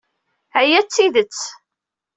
Aya d tidet.